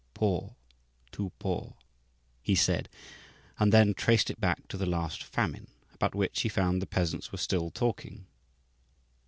"Poor too poor," he said, and then traced it back to the last famine, about which, he found, the peasants were still talking.